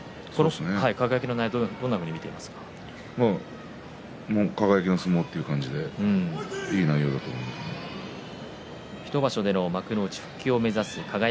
輝の内容はどんなふうに輝の相撲という感じで１場所での幕内復帰を目指す輝。